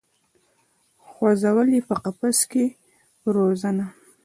خو ځول یې په قفس کي وزرونه